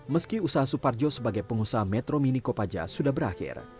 meski usaha suparjo sebagai pengusaha metro mini kopaja sudah berakhir